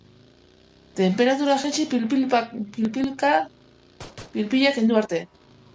Tenperatura jaitsi pil-pila kendu arte.